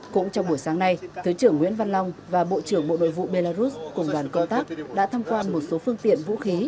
cũng trong buổi sáng nay thứ trưởng nguyễn văn long và bộ trưởng bộ nội vụ belarus cùng đoàn công tác đã thăm quan một số phương tiện vũ khí